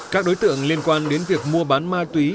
các đối tượng liên quan đến việc mua bán ma túy